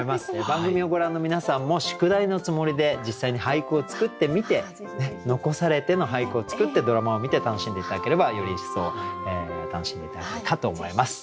番組をご覧の皆さんも宿題のつもりで実際に俳句を作ってみて「遺されて」の俳句を作ってドラマを見て楽しんで頂ければより一層楽しんで頂けるかと思います。